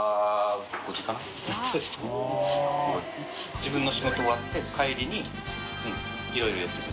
自分の仕事終わって帰りにいろいろ寄ってくる。